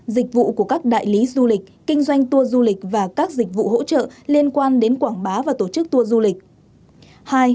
dịch vụ của các đại lý du lịch kinh doanh tour du lịch và các dịch vụ hỗ trợ liên quan đến quảng bá và tổ chức tour du lịch